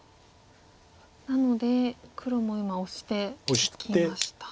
なので黒も今オシていきました。